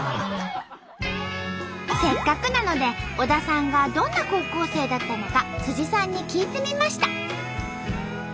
せっかくなので小田さんがどんな高校生だったのかさんに聞いてみました。